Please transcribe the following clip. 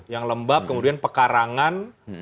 yang lembab kemudian pekarangan